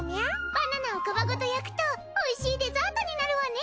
バナナを皮ごと焼くとおいしいデザートになるわね。